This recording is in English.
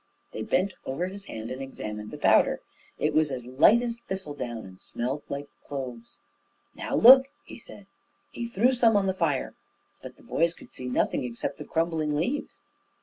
They bent over his hand and examined the powder. It was as light as thistle down, and smelt like cloves. "Now look," he said. He threw some on the fire. But the boys could see nothing except the crumbling leaves.